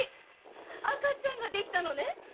赤ちゃんができたのね？